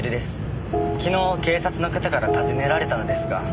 昨日警察の方から尋ねられたのですが。